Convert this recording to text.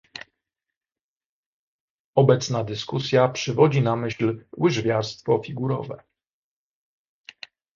Obecna dyskusja przywodzi na myśl łyżwiarstwo figurowe